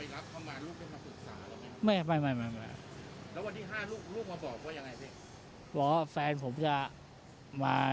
ก่อนพี่ลูกจะไปรับเขามา